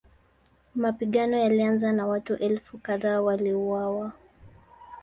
Mapigano yalianza na watu elfu kadhaa waliuawa.